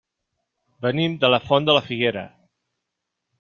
Venim de la Font de la Figuera.